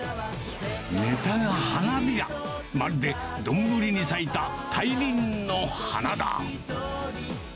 ネタが花びら、まるで丼に咲いた大輪の花だ。